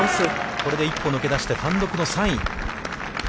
これで１歩抜け出して、単独の３位。